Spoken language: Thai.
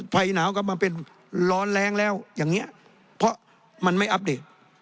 หนาวก็มาเป็นร้อนแรงแล้วอย่างนี้เพราะมันไม่อัปเดต